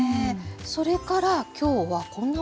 それから今日はこんなものも。